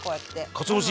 かつお節。